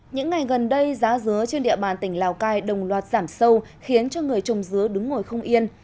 những ngày gần đây giá dứa trên địa bàn tỉnh lào cai đồng loạt giảm sâu khiến cho người trồng dứa đứng ngồi không yên